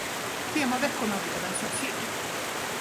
Temaveckorna blev en succé.